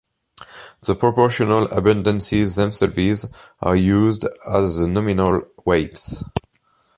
The proportional abundances themselves are used as the nominal weights.